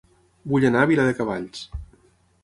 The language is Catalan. Vull anar a Viladecavalls